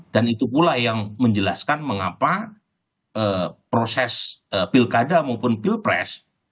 dan itu pula yang menjelaskan mengapa proses pilkada maupun pilpres